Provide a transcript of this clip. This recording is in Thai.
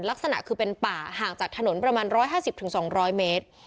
ลักษณะคือเป็นป่าห่างจากถนนประมาณ๑๕๐๒๐๐เมตร